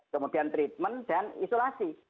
kemudian treatment dan isolasi